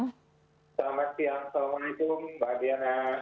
selamat siang assalamualaikum mbak diana